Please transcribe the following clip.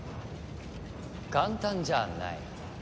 簡単じゃあない。